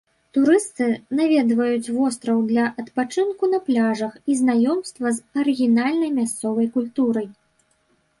Турысты наведваюць востраў для адпачынку на пляжах і знаёмства з арыгінальнай мясцовай культурай.